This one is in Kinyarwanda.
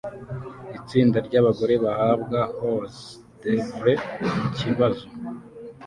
Itsinda ryabagore bahabwa hors d'oeuvres mukibazo